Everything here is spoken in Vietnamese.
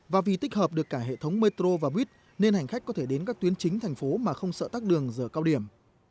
và vì tích hợp được cả hệ thống metro và buýt nên hành khách có thể đến các tuyến chính thành phố mà không sợ tắc đường giờ cao điểm